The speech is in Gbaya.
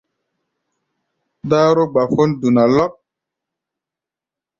Dáró-gbafón duna lɔ́k.